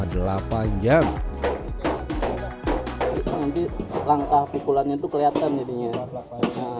nanti langkah pukulannya itu kelihatan jadinya